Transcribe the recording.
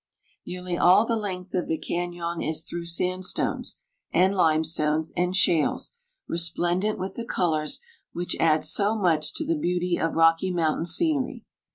Nearly all the length of the cañon is through sandstones, and limestones, and shales, resplendent with the colors which add so much to the beauty of Rocky Mountain scenery.